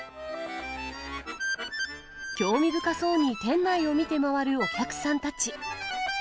興味深そうに店内を見て回るお客さんたち。